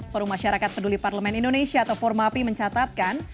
forum masyarakat peduli parlemen indonesia atau formapi mencatatkan